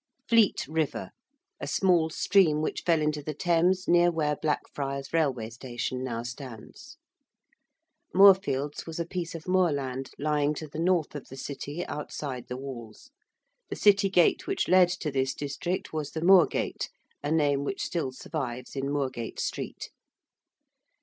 ~Fleet River~: a small stream which fell into the Thames near where Blackfriars Railway Station now stands. ~Moorfields~ was a piece of moor land lying to the north of the City, outside the walls. The City gate which led to this district was the Moorgate, a name which still survives in Moorgate Street.